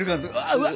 うわっ！